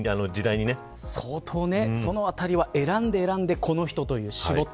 相当、そのあたりは選んで選んで、この人と絞った。